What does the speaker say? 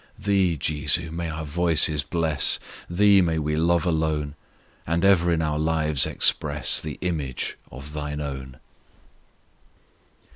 Thee, JESU, may our voices bless; Thee may we love alone; And ever in our lives express The image of Thine own.